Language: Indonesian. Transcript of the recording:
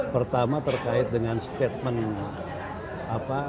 pertama terkait dengan statement